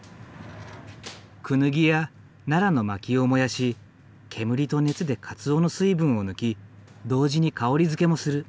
クヌギやナラの薪を燃やし煙と熱で鰹の水分を抜き同時に香りづけもする。